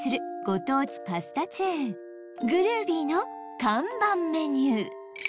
ご当地パスタチェーン「Ｇｒｏｏｖｙ」の看板メニュー